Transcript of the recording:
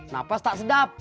napas tak sedap